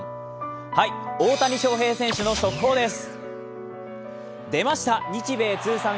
大谷翔平選手の速報です。